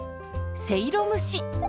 せいろ蒸し。